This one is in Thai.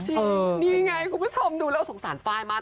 นี่ไงคุณผู้ชมดูแล้วสงสารไฟล์มาก